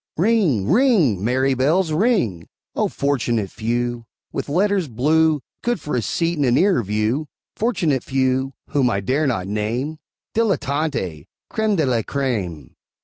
Ring, ring! merry bells, ring! O fortunate few, With letters blue, Good for a seat and a nearer view! Fortunate few, whom I dare not name; Dilettanti! Créme de la Créme!